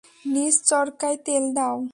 নিজ চরকায় তেল দাও।